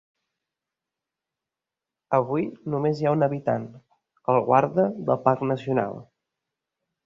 Avui només hi ha un habitant, el guarda del parc nacional.